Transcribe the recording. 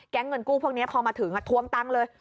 เงินกู้พวกนี้พอมาถึงทวงตังค์เลย